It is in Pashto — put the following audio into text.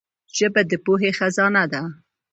ژبه د پوهي خزانه ده.